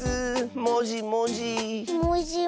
もじもじ。